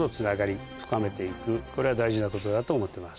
これは大事なことだと思ってます。